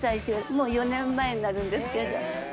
もう４年前になるんですけど。